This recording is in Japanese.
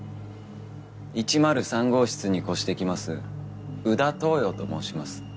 １０３号室に越してきます宇田桃葉と申します。